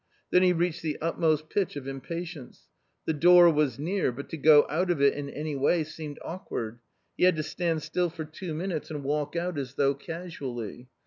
Then he reached the utmost pitch of im patience ; the door was near, but to go out of it in any way seemed awkward — he had to stand still for two minutes and walk out as though casually.